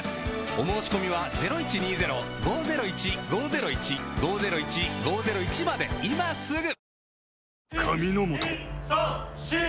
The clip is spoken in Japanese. お申込みは今すぐ！